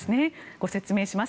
ご説明します。